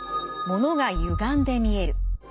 ものがゆがんで見える。